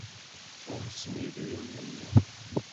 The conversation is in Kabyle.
Umsen yidrimen-nni.